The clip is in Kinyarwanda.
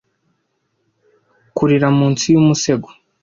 kurira munsi y’ umusego